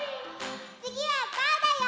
つぎはバウだよ！